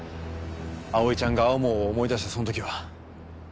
葵ちゃんが天羽を思い出したその時は。